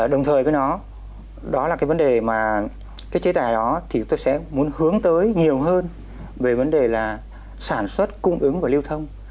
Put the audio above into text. đồng thời với nó đó là cái vấn đề mà cái chế tài đó thì chúng tôi sẽ muốn hướng tới nhiều hơn về vấn đề là sản xuất cung ứng và lưu thông